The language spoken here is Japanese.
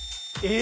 え